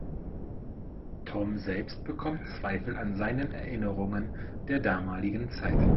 Tom selbst bekommt Zweifel an seinen Erinnerungen der damaligen Zeit.